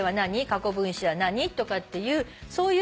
過去分詞は何？とかっていう。